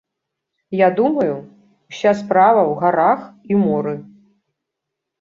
Я думаю, уся справа ў гарах і моры.